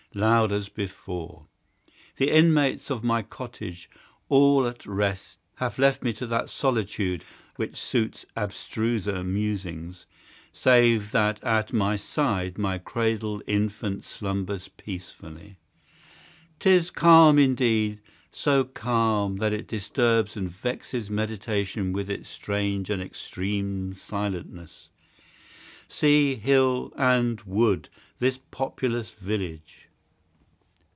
loud as before. The inmates of my cottage, all at rest, Have left me to that solitude, which suits Abstruser musings: save that at my side My cradled infant slumbers peacefully. 'Tis calm indeed! so calm, that it disturbs And vexes meditation with its strange And extreme silentness. Sea, hill, and wood, This populous village!